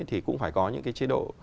thì cũng phải có những chế độ